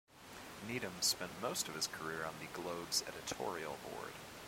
Needham spent most of his career on the "Globe"s editorial board.